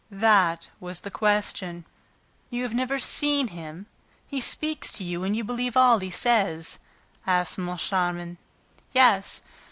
That was the question. "You have never seen him; he speaks to you and you believe all he says?" asked Moncharmin. "Yes.